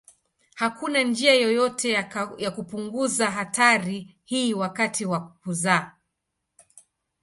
Hakuna njia yoyote ya kupunguza hatari hii wakati wa kuzaa.